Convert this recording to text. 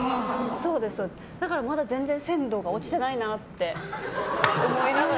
だから、まだ全然鮮度が落ちてないなって思いながら。